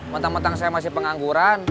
mentang mentang saya masih pengangguran